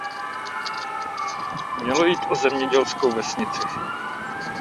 Mělo jít o zemědělskou vesnici.